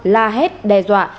la hét đe dọa